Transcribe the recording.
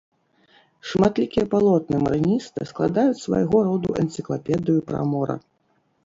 Шматлікія палотны марыніста складаюць свайго роду энцыклапедыю пра мора.